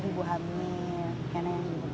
ibu hamil yang lain lain